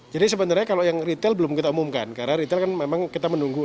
jadi sebenarnya kalau yang retail belum kita umumkan karena retail kan memang kita menunggu